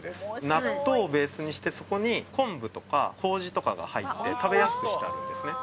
納豆をベースにしてそこに昆布とか麹とかが入って食べやすくしてあるんですね